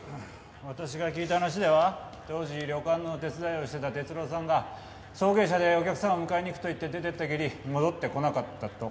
私が聞いた話では当時旅館の手伝いをしてた哲郎さんが送迎車でお客さんを迎えに行くと言って出ていったきり戻ってこなかったと。